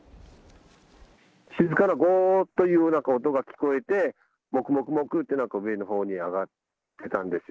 静かなごーっていうような音が聞こえて、もくもくもくってなんか上のほうに上がってたんですよ。